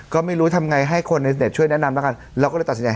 ก็ไม่รู้ทำไงให้คนในเต็ตช่วยแนะนำแล้วกันเราก็เลยตัดสินใจ